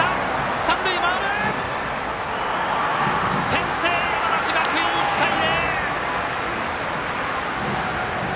先制、山梨学院１対０！